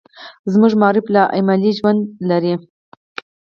زموږ معارف له عملي ژونده لرې دی.